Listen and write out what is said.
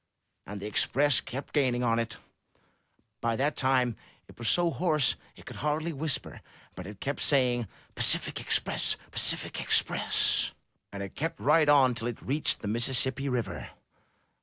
And the Express kept gaining on it. By that 347 M Y BOOK HOUSE time it was so hoarse it could hardly whisper, but it kept saying, Tacific Express! Pacific Express!' and it kept right on till it reached the Mississippi River.